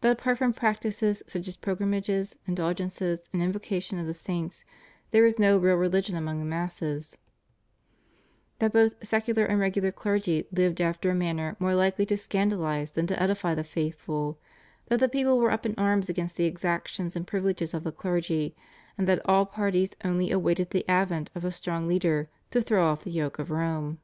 that apart from practices such as pilgrimages, indulgences, and invocation of the saints, there was no real religion among the masses; that both secular and regular clergy lived after a manner more likely to scandalise than to edify the faithful; that the people were up in arms against the exactions and privileges of the clergy, and that all parties only awaited the advent of a strong leader to throw off the yoke of Rome.